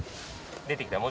出てきたら。